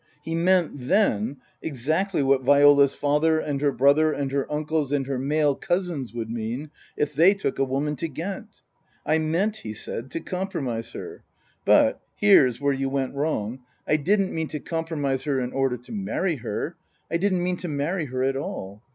He meant then exactly what Viola's father and her brother and her uncles and her male cousins would mean if they took a woman to Ghent. " I meant," he said, " to compromise her. But here's where you went wrong I didn't mean to compromise her in order to marry her. I didn't mean to marry her at all.